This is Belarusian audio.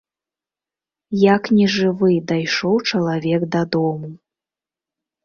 Як нежывы, дайшоў чалавек дадому.